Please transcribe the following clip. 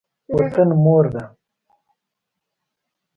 وطن مور ده.